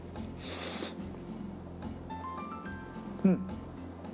うん。